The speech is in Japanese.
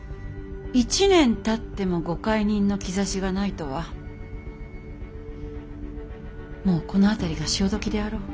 １年たってもご懐妊の兆しがないとはもうこの辺りが潮時であろう。